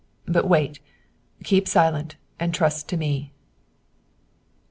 But wait, keep silent, and trust to me."